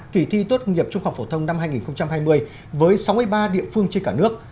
kỳ thi tốt nghiệp trung học phổ thông năm hai nghìn hai mươi với sáu mươi ba địa phương trên cả nước